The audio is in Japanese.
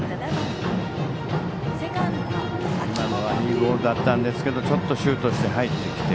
今のはいいボールだったんですけどちょっとシュートして入ってきて。